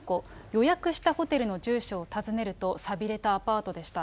予約したホテルの住所を訪ねるとさびれたアパートでした。